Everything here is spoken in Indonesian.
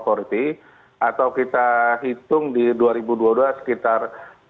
atau kita hitung di dua ribu dua puluh dua sekitar